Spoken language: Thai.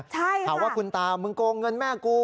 ใช่ค่ะว่าคุณตามึงโกงเงินแม่กู